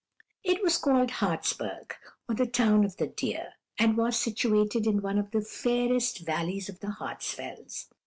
"It was called Hartsberg, or the Town of the Deer, and was situated in one of the fairest valleys of the Hartsfells.